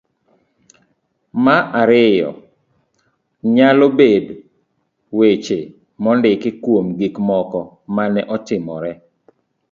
ma ariyo .nyalo bed weche mondiki kuom gikmoko mane otimore.